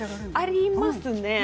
ありますね